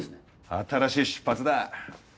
新しい出発だ。